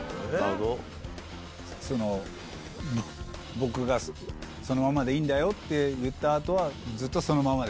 僕が「そのままでいいんだよ」って言った後はずっとそのままで？